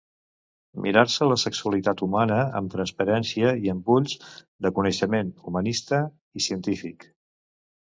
Mirar-se la sexualitat humana amb transparència i amb ulls de coneixement humanista i científic